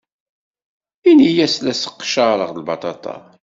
Ini-as la sseqcareɣ lbaṭaṭa.